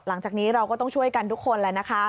หลังจากนี้เราก็ต้องช่วยกันทุกคนแล้วนะคะ